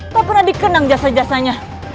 tak pernah dikenang jasa jasanya